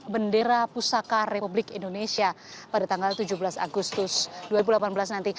bendera pusaka republik indonesia pada tanggal tujuh belas agustus dua ribu delapan belas nanti